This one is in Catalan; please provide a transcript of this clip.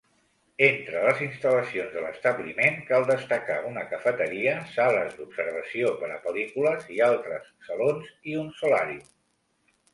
Entre les instal·lacions de l'establiment, cal destacar una cafeteria, sales d'observació per a pel·lícules i altres salons i un solàrium.